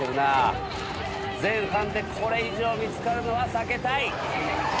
前半でこれ以上見つかるのは避けたい！